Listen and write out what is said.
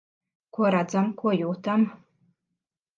Ko redzam, ko jūtam.